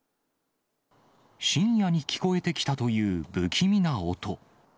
深夜に聞こえてきたという不気味な音。